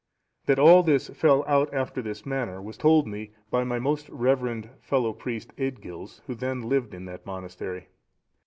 That all this fell out after this manner, was told me by my most reverend fellow priest, Aedgils, who then lived in that monastery.